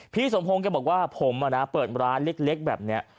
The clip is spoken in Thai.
พี่สมภงเขาบอกว่าผมอ่ะนะเปิดร้านเล็กแบบนี้